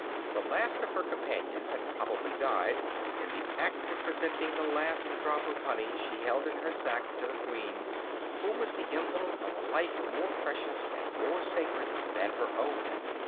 The last of her companions had probably died in the act of presenting the last drop of honey she held in her sac to the queen, who was the emblem of a life more precious and more sacred than her own.